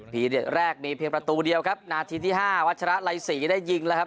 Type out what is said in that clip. เด็ดแรกมีเพียงประตูเดียวครับนาทีที่ห้าวัชระไรศรีได้ยิงแล้วครับ